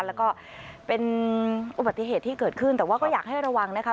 แล้วก็เป็นอุบัติเหตุที่เกิดขึ้นแต่ว่าก็อยากให้ระวังนะคะ